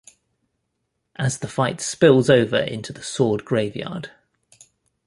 As the fight spills over into the Sword Graveyard.